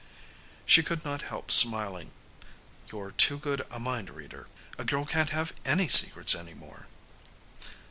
She could not help smiling. "You're too good a mind reader. A girl can't have any secrets any more."